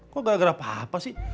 kok gara gara papa sih